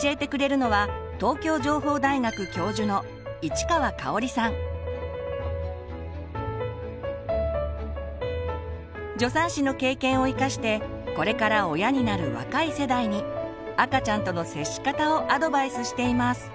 教えてくれるのは助産師の経験を生かしてこれから親になる若い世代に赤ちゃんとの接し方をアドバイスしています。